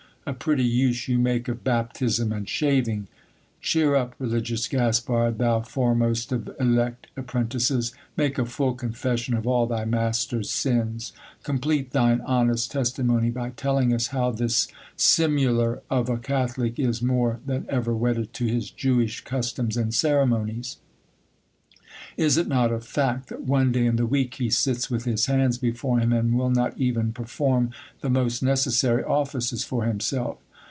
A pretty use you make of baptism and shaving ! Cheer up, religious Gaspard, thou foremost of elect apprentices ! Make a full confession of all thy master's sins ; complete thine honest testimony by telling us how this simular of a Catholic is more than ever wedded to his Jewish customs and ceremonies. Is it not a fact, that one day in the week he sits with his hands before him, and will not even per form the most necessary offices for himself?